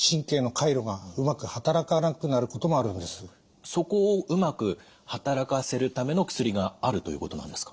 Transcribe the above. またそこをうまく働かせるための薬があるということなんですか？